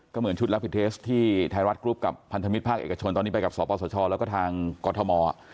ก็เหมือนชุดรับผิดเทสที่ไทยรัฐกรุ๊ปกับพันธมิตรภาคเอกชนตอนนี้ไปกับสปสชแล้วก็ทางกรทม